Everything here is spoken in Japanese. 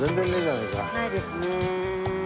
ないですね。